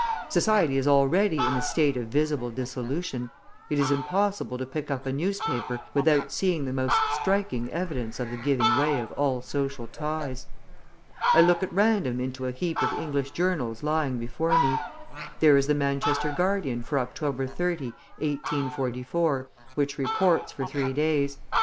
Society is already in a state of visible dissolution; it is impossible to pick up a newspaper without seeing the most striking evidence of the giving way of all social ties. I look at random into a heap of English journals lying before me; there is the Manchester Guardian for October 30, 1844, which reports for three days.